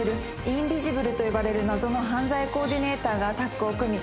インビジブルと呼ばれる謎の犯罪コーディネーターがタッグを組み